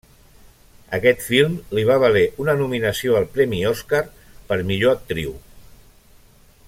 Aquest film li va valer una nominació al premi Oscar per millor actriu.